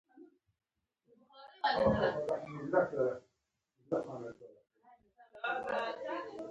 د ګراکچوس ورور ګایوس ووژل شو